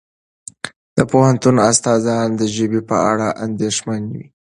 د پوهنتون استادان د ژبې په اړه اندېښمن دي.